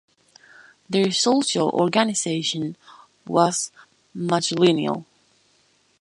Their social organization was matrilineal.